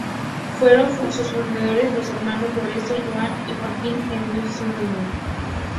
Fueron sus fundadores los hermanos Lorenzo, Joan y Joaquim Gomis Sanahuja.